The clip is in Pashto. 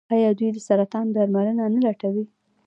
آیا دوی د سرطان درملنه نه لټوي؟